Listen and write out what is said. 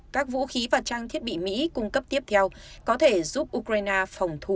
các vũ khí và trang thiết bị mỹ cung cấp tiếp theo có thể giúp ukraine phòng thủ